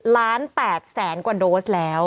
ล้าน๘แสนกว่าโดสแล้ว